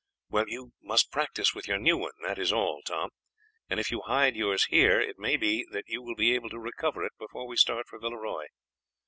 "Well, you must practise with your new one, that is all, Tom; and if you hide yours here it may be that you will be able to recover it before we start for Villeroy.